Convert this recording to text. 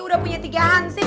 udah punya tiga hansip